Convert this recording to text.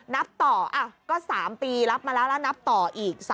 นับต่อก็๓ปีรับมาแล้วแล้วนับต่ออีก